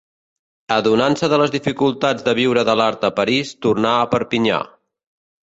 Adonant-se de les dificultats de viure de l'art a París, tornà a Perpinyà.